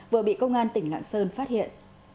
vừa bị công an tỉnh lạng sơn phát hiện